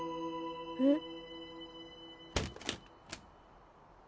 えっ。